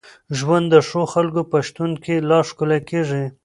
ژوند د ښو خلکو په شتون کي لا ښکلی کېږي.